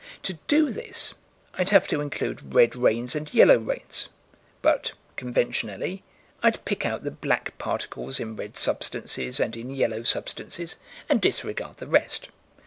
To do this, I'd have to include red rains and yellow rains, but, conventionally, I'd pick out the black particles in red substances and in yellow substances, and disregard the rest.